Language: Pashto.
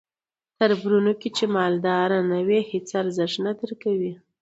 توربرونو کې چې مالداره نه وې هیس ارزښت نه درکوي.